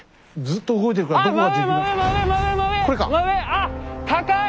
あっ高い！